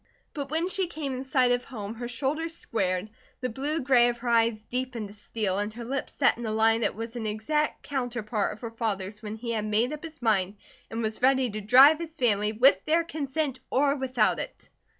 But when she came in sight of home her shoulders squared, the blue gray of her eyes deepened to steel, and her lips set in a line that was an exact counterpart of her father's when he had made up his mind and was ready to drive his family, with their consent or without it.